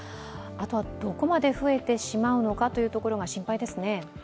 あとはどこまで増えてしまうのかというところが心配ですね。